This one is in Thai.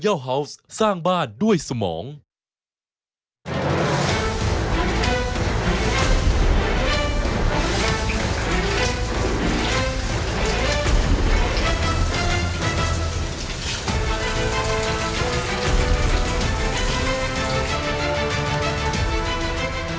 ชูเว็ตตีแสดหน้า